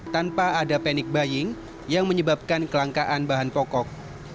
tanpa ada panic buying yang menyebabkan kelangkaan bahan pokok